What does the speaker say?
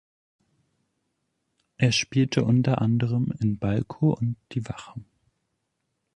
Er spielte unter anderem in "Balko" und "Die Wache".